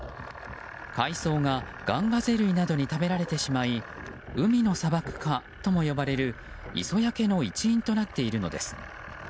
海藻がガンガゼ類などに食べられてしまい海の砂漠化とも呼ばれる磯焼けの一因となっているのです。